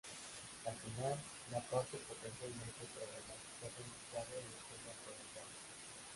Al final, la parte potencialmente problemática fue mezclada y el tema fue lanzado.